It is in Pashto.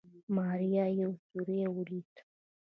ماريا يو سيوری وليد.